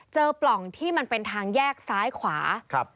ปล่องที่มันเป็นทางแยกซ้ายขวา